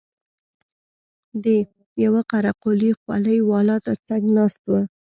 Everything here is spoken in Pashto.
د يوه قره قلي خولۍ والا تر څنگ ناست و.